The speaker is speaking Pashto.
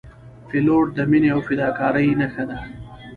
پیلوټ د مینې او فداکارۍ نښه ده.